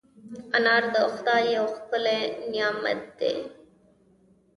انار د خدای یو ښکلی نعمت دی.